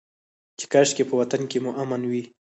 چې کاشکي په وطن کې مو امن وى.